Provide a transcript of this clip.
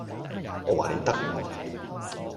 我話你得